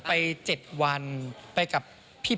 ไป๗วันไปกับพี่